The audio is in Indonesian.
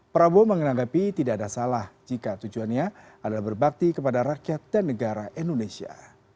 prabowo menanggapi tidak ada salah jika tujuannya adalah berbakti kepada rakyat dan negara indonesia